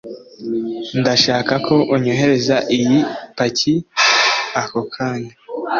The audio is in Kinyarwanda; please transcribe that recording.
ndashaka ko unyoherereza iyi paki ako kanya